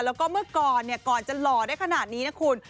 แล้วก็เมื่อก่อนก่อนจะหล่อได้ขนาดนี้นะคุณ